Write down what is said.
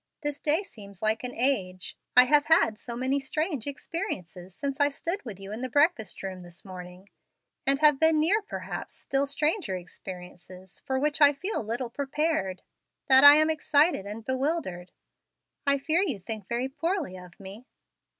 This day seems like an age. I have had so many strange experiences since I stood with you in the breakfast room this morning, and have been near, perhaps, still stranger experiences, for which I feel little prepared, that I am excited and bewildered. I fear you think very poorly of me."